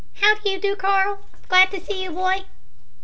How do you do, Carl? Glad to see you, boy."